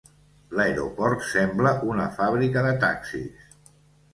L'aeroport sembla una fàbrica de taxis.